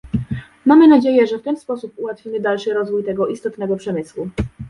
Mamy nadzieję, że w ten sposób ułatwimy dalszy rozwój tego istotnego przemysłu